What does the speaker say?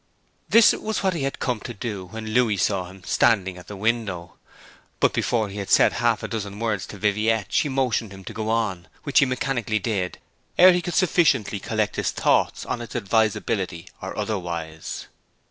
This was what he had come to do when Louis saw him standing at the window. But before he had said half a dozen words to Viviette she motioned him to go on, which he mechanically did, ere he could sufficiently collect his thoughts on its advisability or otherwise.